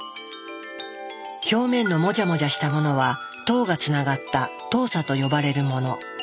表面のもじゃもじゃしたものは糖がつながった「糖鎖」と呼ばれるもの。